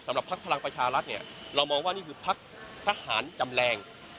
พักพลังประชารัฐเนี่ยเรามองว่านี่คือพักทหารจำแรง